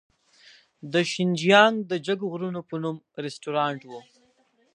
دا د شینجیانګ د جګو غرونو په نوم رستورانت و.